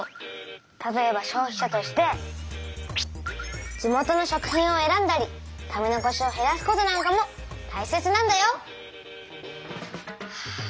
例えば消費者として地元の食品を選んだり食べ残しをへらすことなんかもたいせつなんだよ。は。